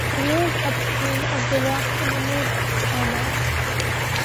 The weir is upstream of the lock and in the mid-channel.